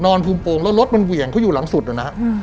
นอนพุมโปรงแล้วรถมันเหวี่ยงเขาอยู่หลังสุดอ่ะนะฮะอืม